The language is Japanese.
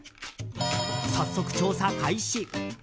早速、調査開始！